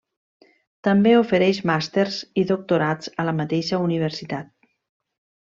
També ofereix màsters i doctorats a la mateixa universitat.